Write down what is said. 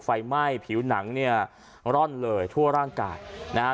ไฟไหม้ผิวหนังเนี่ยร่อนเลยทั่วร่างกายนะฮะ